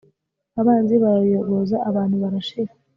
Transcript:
abanzi bararuyogoza, abantu barashira